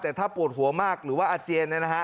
แต่ถ้าปวดหัวมากหรือว่าอาเจียนเนี่ยนะฮะ